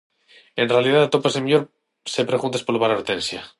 En realidade atópase mellor se preguntas polo bar Hortensia.